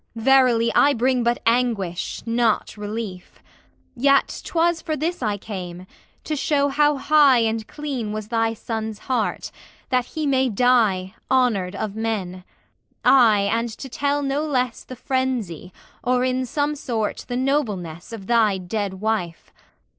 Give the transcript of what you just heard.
Verily, I bring but anguish, not relief; Yet, 'twas for this I came, to show how high And clean was thy son's heart, that he may die Honoured of men; aye, and to tell no less The frenzy, or in some sort the nobleness, Of thy dead wife.